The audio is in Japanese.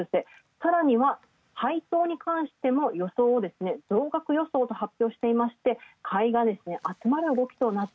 さらには配当に関しても予想を増額予想と発表してまして、買いが集まる動き。